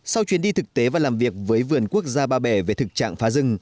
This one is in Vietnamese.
sau chuyến đi thực tế và làm việc với vườn quốc gia ba bể về thực trạng phá rừng